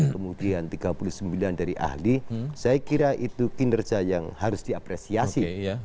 kemudian tiga puluh sembilan dari ahli saya kira itu kinerja yang harus diapresiasi